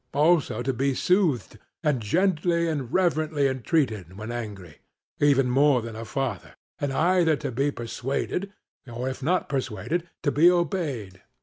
also to be soothed, and gently and reverently entreated when angry, even more than a father, and either to be persuaded, or if not persuaded, to be obeyed?